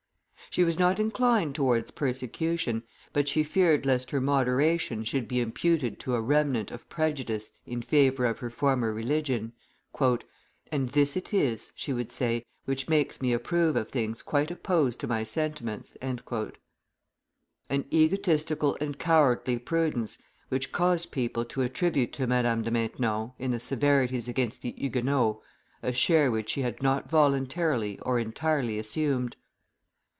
She was not inclined towards persecution, but she feared lest her moderation should be imputed to a remnant of prejudice in favor of her former religion, "and this it is," she would say, "which makes me approve of things quite opposed to my sentiments." An egotistical and cowardly prudence, which caused people to attribute to Madame de Maintenon, in the severities against the Huguenots, a share which she had not voluntarily or entirely assumed.